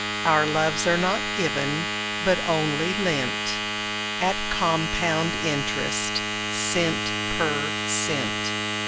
Our loves are not given, but only lent, At compound interest of cent per cent.